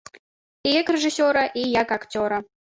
І як рэжысёра, і як акцёра.